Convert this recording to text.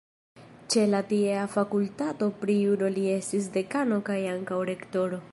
Ĉe la tiea fakultato pri juro li estis dekano kaj ankaŭ rektoro.